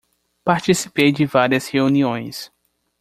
Participei de várias reuniões